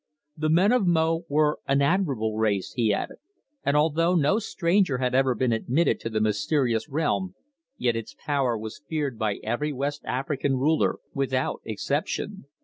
The men of Mo were an admirable race, he added, and although no stranger had ever been admitted to the mysterious realm, yet its power was feared by every West African ruler without exception.